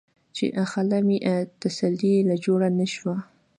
چې خله مې تسلۍ له جوړه نۀ شوه ـ